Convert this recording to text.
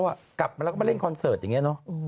ก่อนหน้านี้ที่ตีปริงปองอ่ะไปแข่งซีเกมอ่ะ